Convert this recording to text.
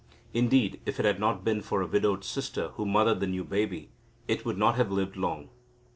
Indeed, if it had not been for a widowed sister, who mothered the new baby, it would not have lived long.